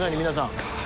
皆さん。